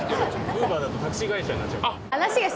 ウーバーだとタクシー会社になっちゃうから。